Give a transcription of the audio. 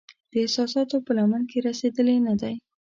د احساساتو په لمن کې رسیدلې نه دی